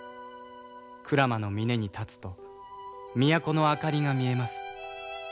鞍馬の峰に立つと都の明かりが見えます」。